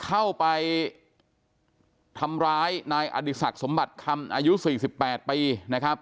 เข้าไปทำร้ายนายอดีศักดิ์สมบัติคำอายุ๔๘ปีนะครับ